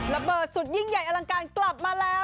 สุดยิ่งใหญ่อลังการกลับมาแล้ว